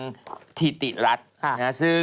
พระพุทธรูปสูงเก้าชั้นหมายความว่าสูงเก้าชั้น